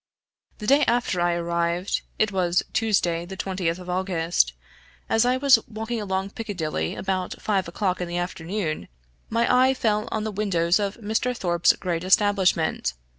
The day after I arrived it was Tuesday the 20th of August as I was walking along Piccadilly, about five o'clock in the afternoon, my eye fell on the windows of Mr. Thorpe's great establishment.